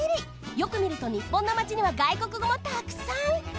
よくみるとにっぽんのマチには外国語もたくさん！